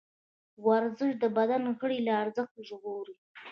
ورزش د بدن غړي له زړښت ژغوري.